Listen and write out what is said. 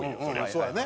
そうやね。